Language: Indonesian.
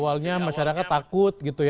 awalnya masyarakat takut